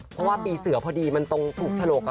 เพราะว่าปีเสือพอดีมันตรงถูกฉลก